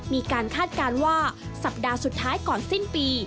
คาดการณ์ว่าสัปดาห์สุดท้ายก่อนสิ้นปี